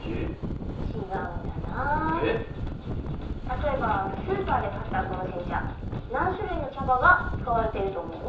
例えばスーパーで買ったこの煎茶何種類の茶葉が使われていると思う？